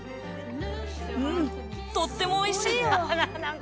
うん、とってもおいしいよ。